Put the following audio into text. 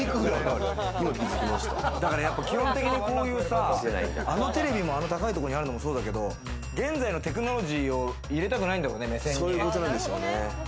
基本的にこういうさ、あのテレビも、あの高いところにあるのもそうだけれども、現在のテクノロジーを入れたくないんだろうね、目線に。